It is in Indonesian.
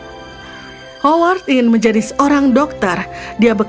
ini sudah terasa lebih baik howard kau bisa menjadi seorang orang yang baik